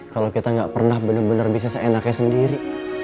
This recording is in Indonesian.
kalo kita ga pernah bener bener bisa seenaknya sendiri